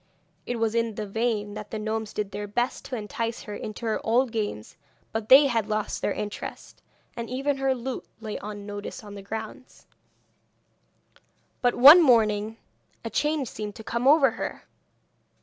It was in vain that the gnomes did their best to entice her into her old games, they had lost their interest, and even her lute lay unnoticed on the ground. But one morning a change seemed to come over her.